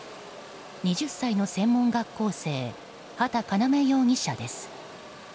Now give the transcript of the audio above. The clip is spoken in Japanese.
２０歳の専門学校生畠叶夢容疑者です。